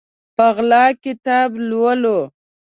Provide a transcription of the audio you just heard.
په غلا کتاب لولو